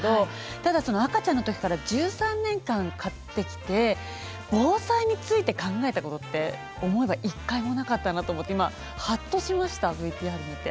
ただその赤ちゃんの時から１３年間飼ってきて防災について考えたことって思えば一回もなかったなと思って今ハッとしましたＶＴＲ見て。